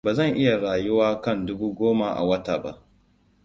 Ba zan iya rayuwa kan dubu goma a wata ba.